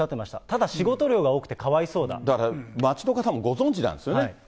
ただ、仕事量が多くてかわいそうだから町の方もご存じなんですよね。